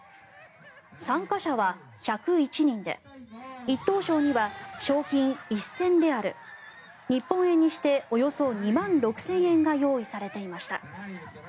参加者は１０１人で１等賞には賞金１０００レアル日本円にしておよそ２万６０００円が用意されていました。